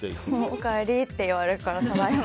おかえり！って言われるからただいま！